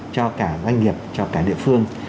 cho cả doanh nghiệp cho cả địa phương